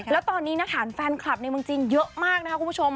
แล้วตอนนี้นะคะแฟนคลับในเมืองจีนเยอะมากนะคะคุณผู้ชม